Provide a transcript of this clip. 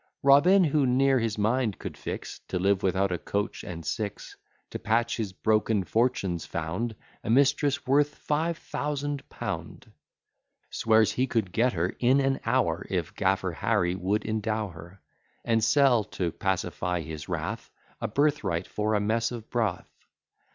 Robin, who ne'er his mind could fix, To live without a coach and six, To patch his broken fortunes, found A mistress worth five thousand pound; Swears he could get her in an hour, If gaffer Harry would endow her; And sell, to pacify his wrath, A birth right for a mess of broth.